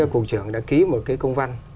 cụ trưởng đã ký một công văn